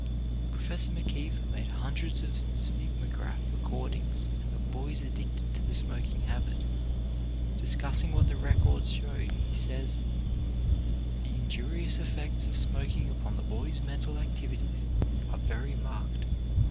Professor McKeever made hundreds of sphygmograph records of boys addicted to the smoking habit. Discussing what the records showed, he says: "The injurious effects of smoking upon the boy's mental activities are very marked.